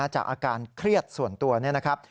จากอาการเครียดส่วนตัวเนี่ยนะครับ